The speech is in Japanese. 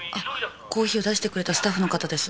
コーヒーを出してくれたスタッフの方です。